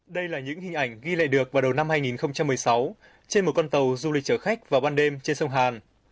đây là những hình ảnh ghi lại được vào đầu năm hai nghìn một mươi sáu trên một con tàu du lịch chở khách vào ban đêm trên sông hàn